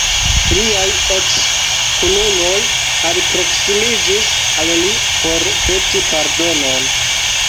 Liaj eks-kunuloj alproksimiĝis al li por peti pardonon.